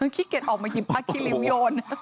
ขี้เก็ดออกมาหยิบพะคิริ้วโยน